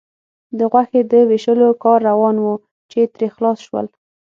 د غوښې د وېشلو کار روان و، چې ترې خلاص شول.